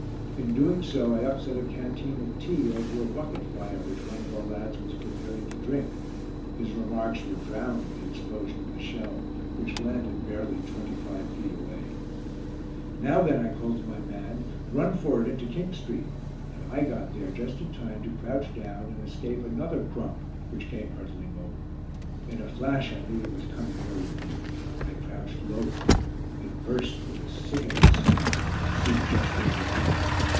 In doing so, I upset a canteen of tea over a bucket fire which one of our lads was preparing to drink. His remarks were drowned in the explosion of the shell, which landed barely twenty five feet away. "Now then," I called to my man, "run for it into King Street," and I got there just in time to crouch down and escape another "crump" which came hurtling over. In a flash I knew it was coming very near: I crouched lower. It burst with a sickening sound. It seemed just overhead.